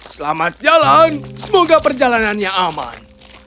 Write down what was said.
selamat jalan semoga perjalanannya aman